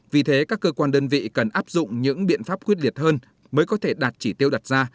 vì thế các cơ quan đơn vị cần áp dụng những biện pháp quyết liệt hơn mới có thể đạt chỉ tiêu đặt ra